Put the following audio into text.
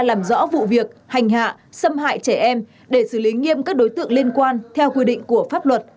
làm rõ vụ việc hành hạ xâm hại trẻ em để xử lý nghiêm các đối tượng liên quan theo quy định của pháp luật